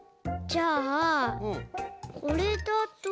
じゃあこれだと。